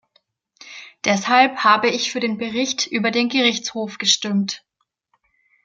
Deshalb habe ich für den Bericht über den Gerichtshof gestimmt.